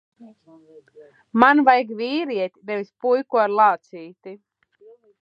Man vajag vīrieti, nevis puiku ar lācīti.